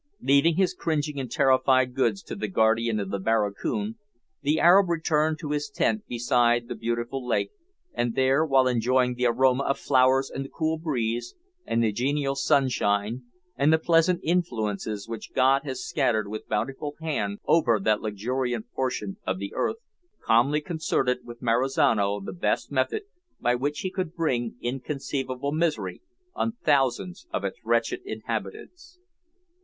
Leaving his cringing and terrified goods to the guardian of the barracoon, the Arab returned to his tent beside the beautiful lake, and there, while enjoying the aroma of flowers and the cool breeze, and the genial sunshine, and the pleasant influences which God has scattered with bountiful hand over that luxuriant portion of the earth, calmly concerted with Marizano the best method by which he could bring inconceivable misery on thousands of its wretched inhabitants.